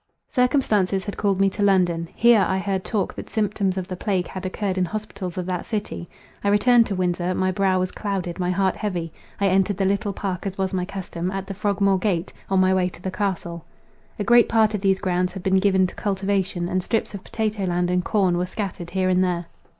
Circumstances had called me to London; here I heard talk that symptoms of the plague had occurred in hospitals of that city. I returned to Windsor; my brow was clouded, my heart heavy; I entered the Little Park, as was my custom, at the Frogmore gate, on my way to the Castle. A great part of these grounds had been given to cultivation, and strips of potatoe land and corn were scattered here and there.